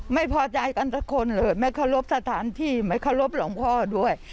ไม่พอใจกันสักคนเลยไม่เคารพสถานที่ไม่เคารพหลวงพ่อด้วย